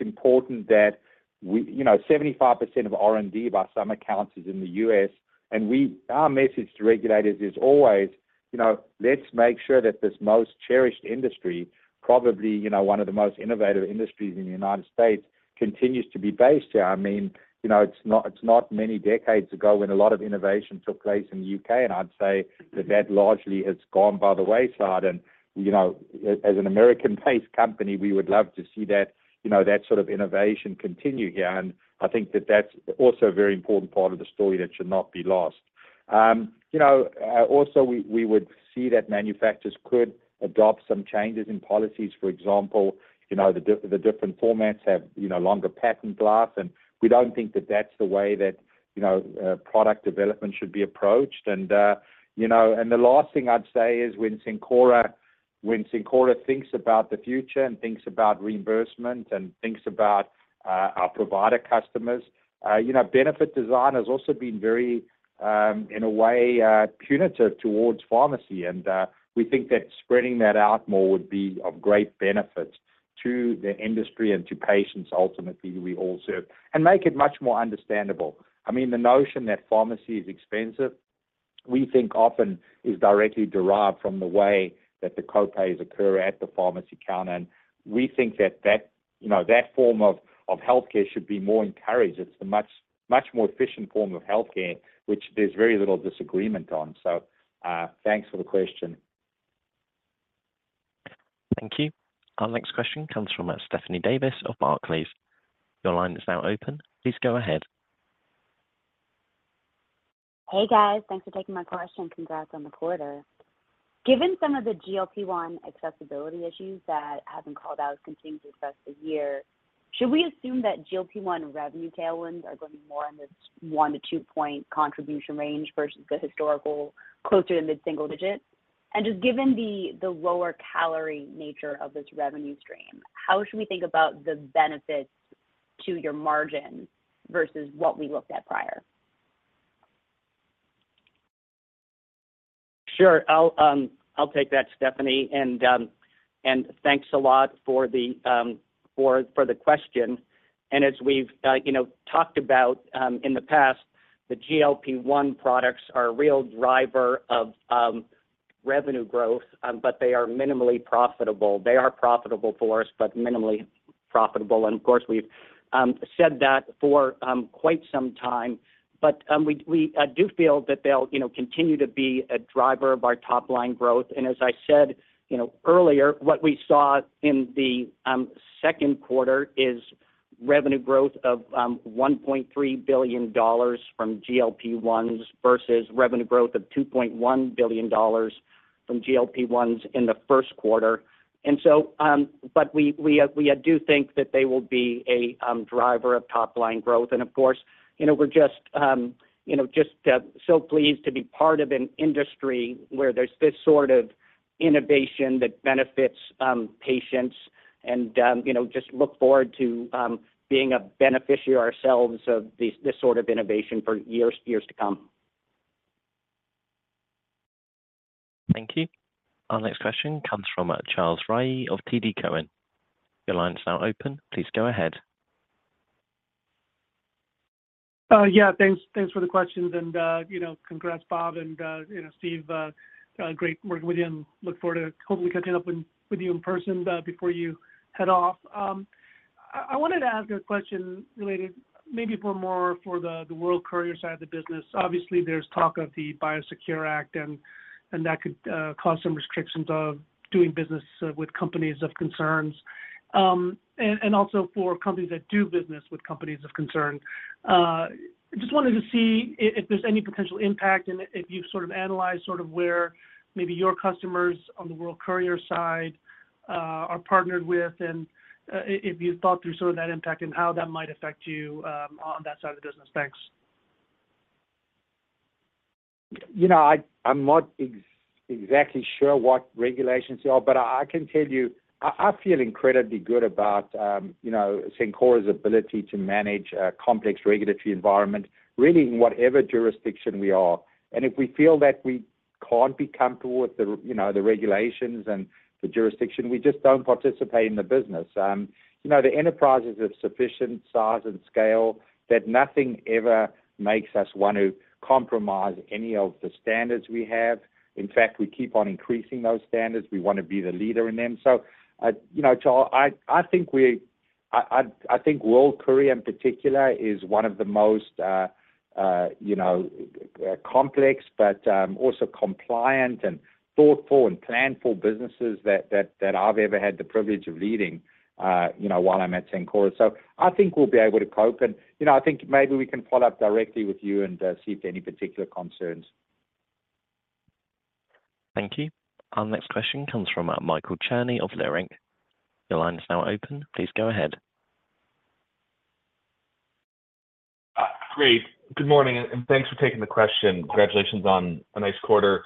important that we. You know, 75% of R&D, by some accounts, is in the U.S., and we, our message to regulators is always, "You know, let's make sure that this most cherished industry, probably, you know, one of the most innovative industries in the United States, continues to be based here." I mean, you know, it's not many decades ago, when a lot of innovation took place in the U.K., and I'd say that that largely has gone by the wayside. And, you know, as an American-based company, we would love to see that, you know, that sort of innovation continue here, and I think that that's also a very important part of the story that should not be lost. You know, also we would see that manufacturers could adopt some changes in policies. For example, you know, the different formats have, you know, longer patent life, and we don't think that that's the way that, you know, product development should be approached. And, you know, the last thing I'd say is, when Cencora thinks about the future and thinks about reimbursement and thinks about our provider customers, you know, benefit design has also been very, in a way, punitive towards pharmacy. We think that spreading that out more would be of great benefit to the industry and to patients ultimately we all serve. Make it much more understandable. I mean, the notion that pharmacy is expensive, we think often is directly derived from the way that the copays occur at the pharmacy counter, and we think that that, you know, that form of healthcare should be more encouraged. It's a much, much more efficient form of healthcare, which there's very little disagreement on. So, thanks for the question. Thank you. Our next question comes from Stephanie Davis of Barclays. Your line is now open. Please go ahead. Hey, guys. Thanks for taking my question. Congrats on the quarter. Given some of the GLP-1 accessibility issues that have been called out continuing to discuss the year, should we assume that GLP-1 revenue tailwinds are going to be more in this 1-2-point contribution range versus the historical, closer to mid-single digit? And just given the lower calorie nature of this revenue stream, how should we think about the benefits to your margin versus what we looked at prior? Sure. I'll take that, Stephanie, and thanks a lot for the question. And as we've, you know, talked about in the past, the GLP-1 products are a real driver of revenue growth, but they are minimally profitable. They are profitable for us, but minimally profitable. And of course, we've said that for quite some time, but we do feel that they'll, you know, continue to be a driver of our top-line growth. And as I said, you know, earlier, what we saw in the second quarter is revenue growth of $1.3 billion from GLP-1s versus revenue growth of $2.1 billion from GLP-1s in the first quarter. But we do think that they will be a driver of top-line growth. Of course, you know, we're just so pleased to be part of an industry where there's this sort of innovation that benefits patients and, you know, just look forward to being a beneficiary ourselves of this sort of innovation for years to come. Thank you. Our next question comes from Charles Rhyee of TD Cowen. Your line is now open. Please go ahead. Yeah, thanks. Thanks for the questions, and, you know, congrats, Bob and, you know, Steve, great working with you and look forward to hopefully catching up with, with you in person, before you head off. I wanted to ask a question related maybe more for the World Courier side of the business. Obviously, there's talk of the BioSecure Act, and that could cause some restrictions of doing business with companies of concerns, and also for companies that do business with companies of concern. Just wanted to see if there's any potential impact and if you've sort of analyzed sort of where maybe your customers on the World Courier side are partnered with, and if you've thought through some of that impact and how that might affect you on that side of the business. Thanks. You know, I'm not exactly sure what regulations are, but I can tell you, I feel incredibly good about, you know, Cencora's ability to manage a complex regulatory environment, really, in whatever jurisdiction we are. And if we feel that we can't be comfortable with the, you know, the regulations and the jurisdiction, we just don't participate in the business. You know, the enterprises of sufficient size and scale that nothing ever makes us want to compromise any of the standards we have. In fact, we keep on increasing those standards. We want to be the leader in them. So, you know, so I think World Courier, in particular, is one of the most, you know, complex, but also compliant and thoughtful and planful businesses that I've ever had the privilege of leading, you know, while I'm at Cencora's. So I think we'll be able to cope and, you know, I think maybe we can follow up directly with you and see if there any particular concerns. Thank you. Our next question comes from Michael Cherny of Leerink. Your line is now open. Please go ahead. Great. Good morning, and thanks for taking the question. Congratulations on a nice quarter.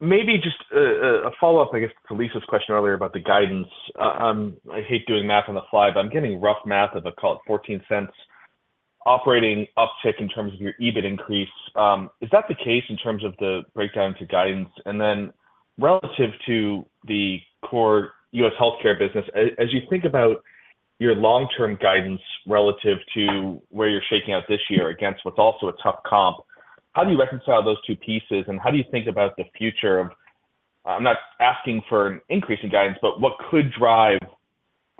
Maybe just a follow-up, I guess, to Lisa's question earlier about the guidance. I hate doing math on the fly, but I'm getting rough math of call it $0.14 operating uptick in terms of your EBIT increase. Is that the case in terms of the breakdown to guidance? And then relative to the core U.S. healthcare business, as you think about your long-term guidance relative to where you're shaking out this year against what's also a tough comp, how do you reconcile those two pieces, and how do you think about the future of. I'm not asking for an increase in guidance, but what could drive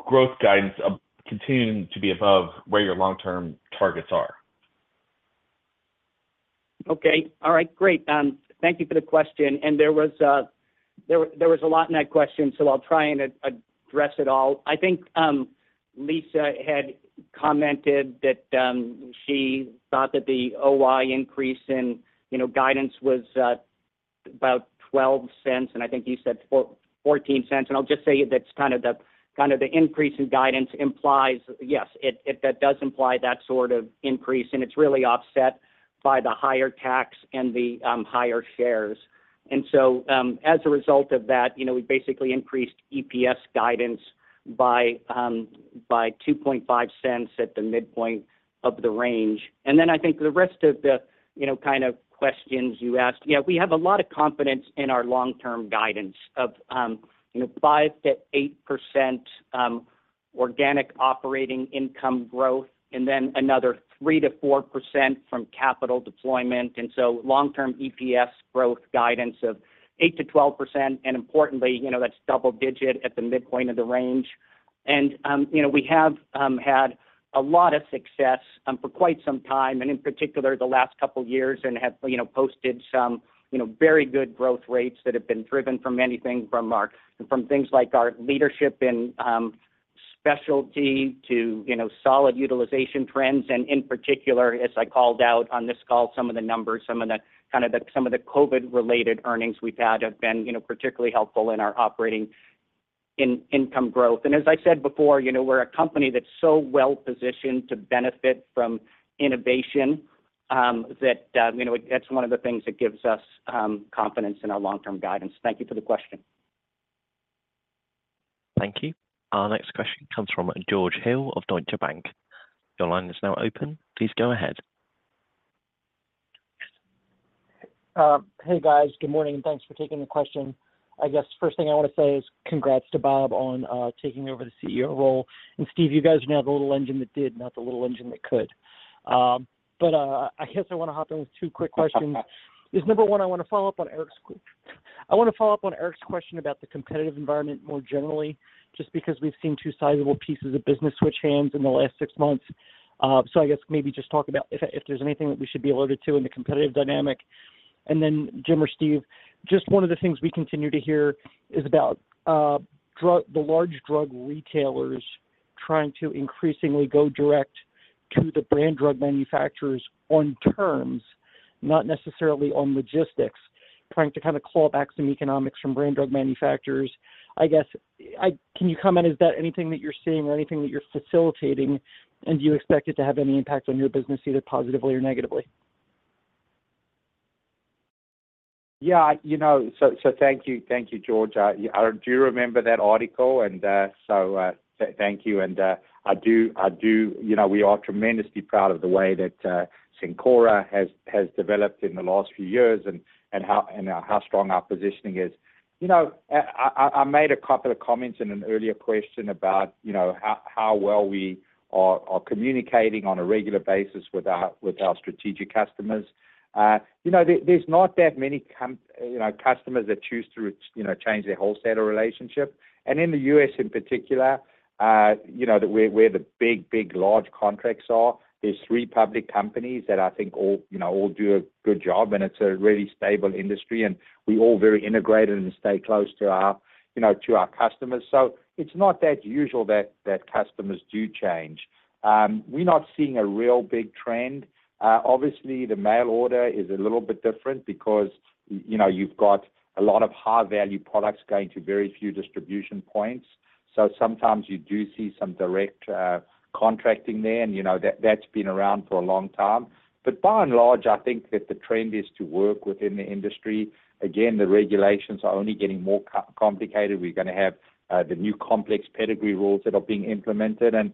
growth guidance continuing to be above where your long-term targets are? Okay. All right, great. Thank you for the question, and there was, there, there was a lot in that question, so I'll try and address it all. I think, Lisa had commented that, she thought that the OI increase in, you know, guidance was, about $0.12, and I think you said $0.14. And I'll just say that's kind of the, kind of the increase in guidance implies, yes, that does imply that sort of increase, and it's really offset by the higher tax and the, higher shares. And so, as a result of that, you know, we basically increased EPS guidance by, by $0.025 at the midpoint of the range. And then I think the rest of the, you know, kind of questions you asked, yeah, we have a lot of confidence in our long-term guidance of, you know, 5%-8% organic operating income growth and then another 3%-4% from capital deployment. And so long-term EPS growth guidance of 8%-12%, and importantly, you know, that's double-digit at the midpoint of the range. And, you know, we have had a lot of success for quite some time, and in particular, the last couple of years, and have, you know, posted some, you know, very good growth rates that have been driven from things like our leadership in specialty to, you know, solid utilization trends. And in particular, as I called out on this call, some of the COVID-related earnings we've had have been, you know, particularly helpful in our operating income growth. And as I said before, you know, we're a company that's so well-positioned to benefit from innovation that you know, that's one of the things that gives us confidence in our long-term guidance. Thank you for the question. Thank you. Our next question comes from George Hill of Deutsche Bank. Your line is now open. Please go ahead. Hey, guys. Good morning, and thanks for taking the question. I guess first thing I want to say is congrats to Bob on taking over the CEO role. And Steve, you guys are now the little engine that did, not the little engine that could. But I guess I want to hop in with two quick questions. It's number one, I want to follow up on Eric's question about the competitive environment more generally, just because we've seen two sizable pieces of business switch hands in the last six months. So I guess maybe just talk about if there's anything that we should be alerted to in the competitive dynamic.... And then Jim or Steve, just one of the things we continue to hear is about the large drug retailers trying to increasingly go direct to the brand drug manufacturers on terms, not necessarily on logistics, trying to kind of claw back some economics from brand drug manufacturers. I guess, can you comment, is that anything that you're seeing or anything that you're facilitating? And do you expect it to have any impact on your business, either positively or negatively? Yeah, you know, so thank you. Thank you, George. I do remember that article, and so thank you, and I do... You know, we are tremendously proud of the way that Cencora has developed in the last few years, and how strong our positioning is. You know, I made a couple of comments in an earlier question about how well we are communicating on a regular basis with our strategic customers. You know, there's not that many customers that choose to change their wholesaler relationship. In the U.S. in particular, you know, where the big, big, large contracts are, there's three public companies that I think all, you know, all do a good job, and it's a really stable industry, and we all very integrated and stay close to our, you know, to our customers. So it's not that usual that customers do change. We're not seeing a real big trend. Obviously, the mail order is a little bit different because, you know, you've got a lot of high-value products going to very few distribution points, so sometimes you do see some direct contracting there, and, you know, that's been around for a long time. But by and large, I think that the trend is to work within the industry. Again, the regulations are only getting more complicated. We're gonna have the new complex pedigree rules that are being implemented. And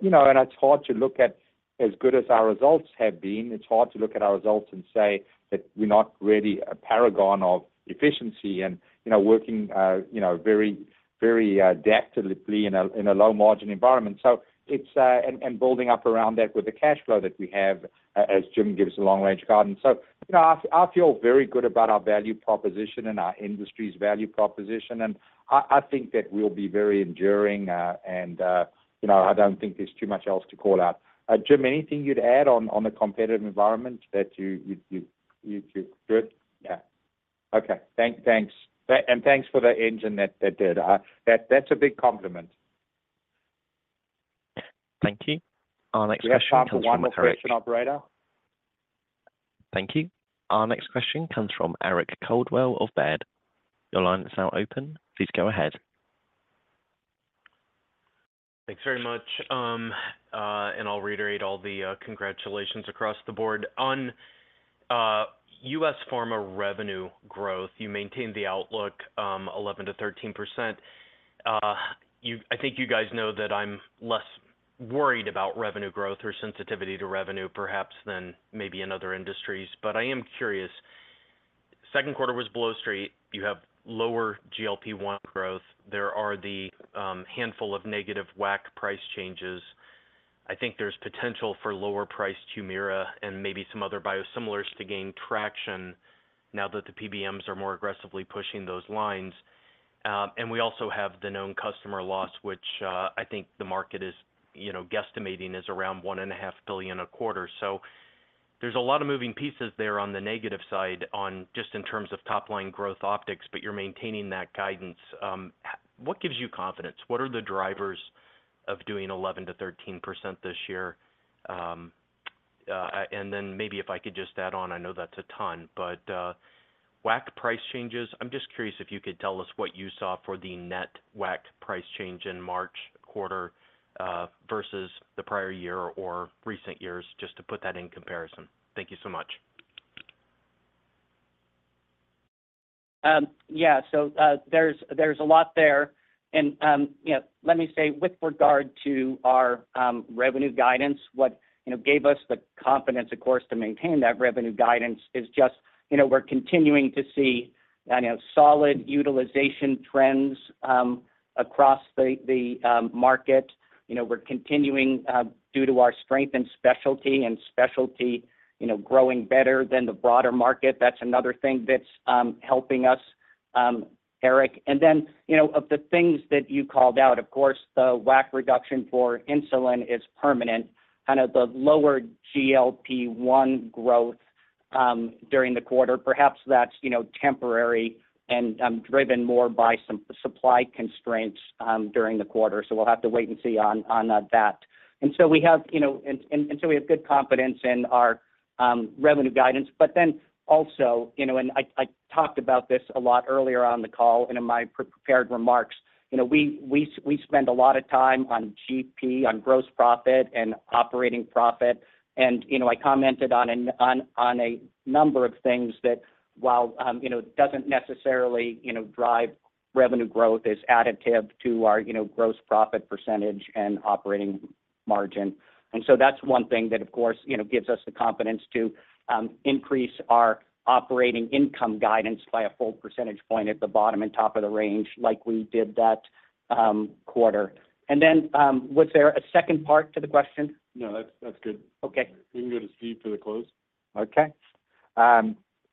you know, and it's hard to look at... As good as our results have been, it's hard to look at our results and say that we're not really a paragon of efficiency and, you know, working you know, very, very adeptly in a, in a low margin environment. So it's and, and building up around that with the cash flow that we have, as Jim gives a long-range guidance. So, you know, I, I feel very good about our value proposition and our industry's value proposition, and I, I think that we'll be very enduring and, you know, I don't think there's too much else to call out. Jim, anything you'd add on the competitive environment that you? Good? Yeah. Okay. Thanks. Thanks for the engine that did. That's a big compliment. Thank you. Our next question comes from- Do we have time for one more question, operator? Thank you. Our next question comes from Eric Coldwell of Baird. Your line is now open. Please go ahead. Thanks very much. I'll reiterate all the congratulations across the board. On U.S. pharma revenue growth, you maintained the outlook, 11%-13%. I think you guys know that I'm less worried about revenue growth or sensitivity to revenue perhaps than maybe in other industries, but I am curious. Second quarter was below street. You have lower GLP-1 growth. There are the handful of negative WAC price changes. I think there's potential for lower-priced Humira and maybe some other biosimilars to gain traction now that the PBMs are more aggressively pushing those lines. And we also have the known customer loss, which I think the market is, you know, guesstimating is around $1.5 billion a quarter. So there's a lot of moving pieces there on the negative side on just in terms of top-line growth optics, but you're maintaining that guidance. What gives you confidence? What are the drivers of doing 11%-13% this year? And then maybe if I could just add on, I know that's a ton, but, WAC price changes, I'm just curious if you could tell us what you saw for the net WAC price change in March quarter, versus the prior year or recent years, just to put that in comparison. Thank you so much. Yeah. So, there's a lot there. And, you know, let me say, with regard to our revenue guidance, what you know gave us the confidence, of course, to maintain that revenue guidance is just, you know, we're continuing to see solid utilization trends across the market. You know, we're continuing due to our strength and specialty, and specialty you know growing better than the broader market. That's another thing that's helping us, Eric. And then, you know, of the things that you called out, of course, the WAC reduction for insulin is permanent. Kind of the lower GLP-1 growth during the quarter, perhaps that's you know temporary and driven more by some supply constraints during the quarter. So we'll have to wait and see on that. And so we have good confidence in our revenue guidance. But then also, you know, and I talked about this a lot earlier on the call and in my prepared remarks, you know, we spend a lot of time on GP, on gross profit and operating profit. And, you know, I commented on on a number of things that while, you know, doesn't necessarily, you know, drive revenue growth, is additive to our, you know, gross profit percentage and operating margin. And so that's one thing that, of course, you know, gives us the confidence to increase our operating income guidance by a full percentage point at the bottom and top of the range, like we did that quarter. And then, was there a second part to the question? No, that's, that's good. Okay. We can go to Steve for the close. Okay.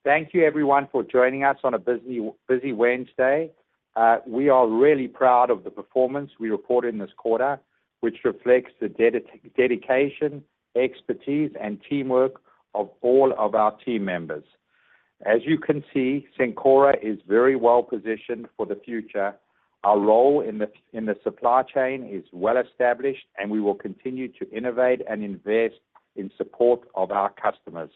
Thank you everyone for joining us on a busy, busy Wednesday. We are really proud of the performance we reported this quarter, which reflects the dedication, expertise, and teamwork of all of our team members. As you can see, Cencora is very well positioned for the future. Our role in the supply chain is well established, and we will continue to innovate and invest in support of our customers.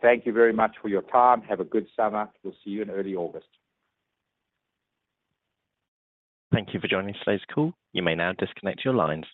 Thank you very much for your time. Have a good summer. We'll see you in early August. Thank you for joining today's call. You may now disconnect your lines.